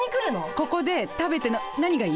ここで食べて何がいい？